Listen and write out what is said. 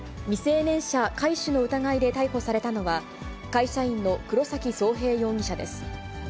未成年者拐取の疑いで逮捕されたのは、会社員の黒崎壮平容疑者です。